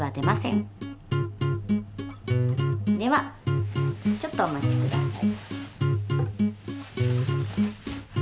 ではちょっとお待ちください。